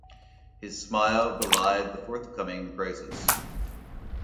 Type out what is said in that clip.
His smile belied the forthcoming crisis.